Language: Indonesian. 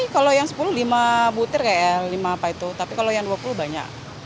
kalau yang sepuluh lima butir kayak lima apa itu tapi kalau yang dua puluh banyak